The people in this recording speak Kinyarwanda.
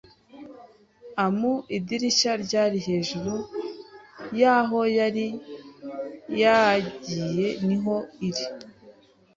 amu idirishya ryari hejuru y’aho yari yiaye niho iri